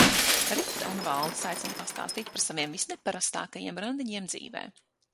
Rita un Valdis aicina pastāstīt par saviem visneparastākajiem randiņiem dzīvē.